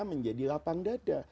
menjadi lapang dada